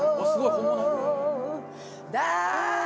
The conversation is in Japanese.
本物。